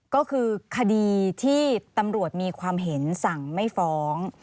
ก็คือคดีที่ตำรวจมีความเห็นสั่งไม่ฟ้อง